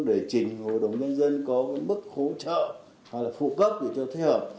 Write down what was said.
để chỉnh hội đồng dân dân có mức hỗ trợ hoặc là phụ cấp để cho thế hợp